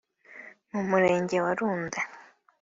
mu Murenge wa Runda